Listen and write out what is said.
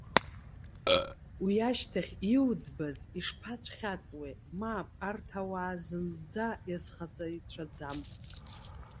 Уи ашьҭахь иуӡбаз ишԥацәхьаҵуеи? Мап! Арҭ ауаа зынӡа иазхаҵаҩцәаӡам!